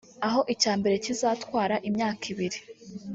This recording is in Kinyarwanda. aho icya mbere kizatwara imyaka ibiri